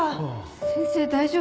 先生大丈夫？